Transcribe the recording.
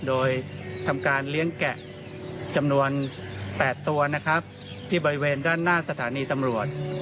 โดยทำการเลี้ยงแกะจำนวน๘ตัวนะครับที่บริเวณด้านหน้าสถานีตำรวจ